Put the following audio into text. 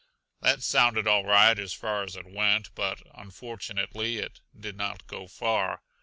That sounded all right as far as it went, but unfortunately it did not go far.